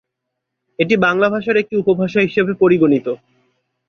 এটি বাংলা ভাষার একটি উপভাষা হিসেবে পরিগণিত।